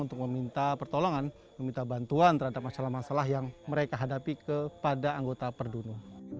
untuk meminta pertolongan meminta bantuan terhadap masalah masalah yang mereka hadapi kepada anggota perdunu